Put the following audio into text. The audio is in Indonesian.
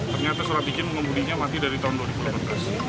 ternyata surat izin mengemudinya mati dari tahun dua ribu delapan belas